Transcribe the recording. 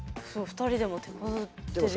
２人でも手こずってる。